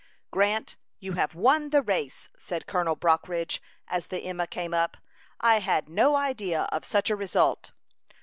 "Grant, you have won the race," said Colonel Brockridge, as the Emma came up. "I had no idea of such a result."